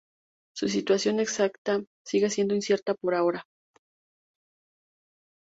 Su situación exacta sigue siendo incierta por ahora.